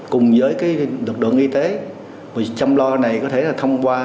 cùng với lực lượng y tế mình chăm lo này có thể là thông qua